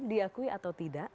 diakui atau tidak